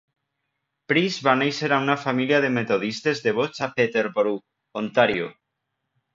Price va néixer a una família de metodistes devots a Peterborough, Ontario.